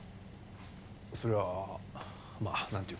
それはまあなんていうか。